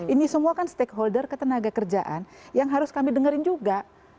ini semua kan stakeholder ketenaga kerjaan yang harus kami dengerin juga